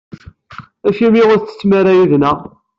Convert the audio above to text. Acimi ur ttettem ara yid-neɣ?